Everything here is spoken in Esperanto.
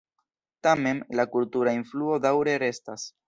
Tamen, la kultura influo daŭre restas.